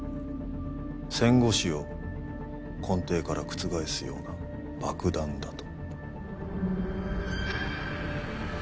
戦後史を根底から覆すような爆弾だと。